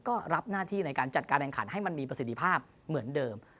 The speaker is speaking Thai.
ก็รับหน้าที่ในการจัดการแข่งขันให้มันมีประสิทธิภาพเหมือนเดิม